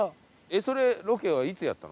それロケはいつやったの？